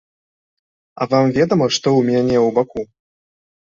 А вам ведама, што ў мяне ў баку?